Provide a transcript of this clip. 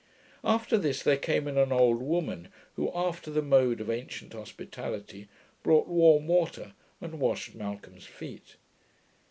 After this there came in an old woman, who, after the mode of ancient hospitality, brought warm water, and washed Malcolm's feet.